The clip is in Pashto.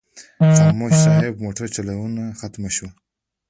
خاموش صاحب موټر چلونه ختمه شوه.